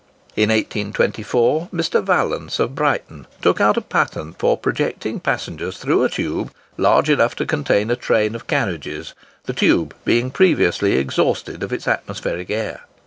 In 1824, Mr. Vallance of Brighton took out a patent for projecting passengers through a tube large enough to contain a train of carriages; the tube being previously exhausted of its atmospheric air.